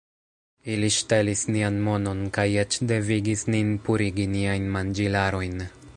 Ili ŝtelis nian monon kaj eĉ devigis nin purigi niajn manĝilarojn